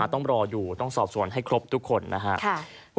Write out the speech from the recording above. ต้องรออยู่ต้องสอบส่วนให้ครบทุกคนนะครับ